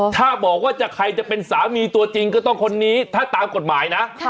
ถ้าบอกว่าใครจะเป็นสามีตัวจริงก็ต้องคนนี้ถ้าตามกฎหมายนะ